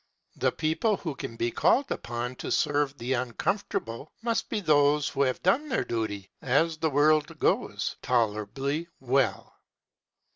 The people who can be called upon to serve the uncomfortable must be those who have done their duty, as the world goes, tolerably well.